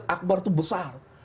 akbar itu besar